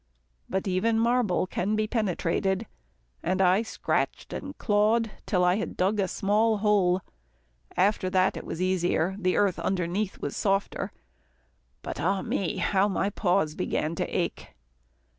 But even marble can be penetrated, and I scratched and clawed, till I had a small hole dug. After that it was easier, the earth underneath was softer, but ah! me, how my paws began to ache.